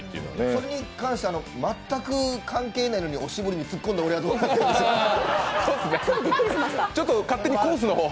それに関して、全く関係ないのにおしぼりにツッコんだ俺、どうしましょう。